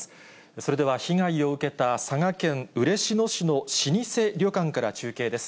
それでは被害を受けた佐賀県嬉野市の老舗旅館から中継です。